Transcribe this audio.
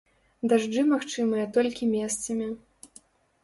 Дажджы магчымыя толькі месцамі.